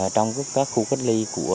trong các khu cách ly